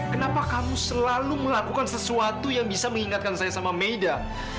kenapa kamu selalu melakukan sesuatu yang bisa mengingatkan saya sama maida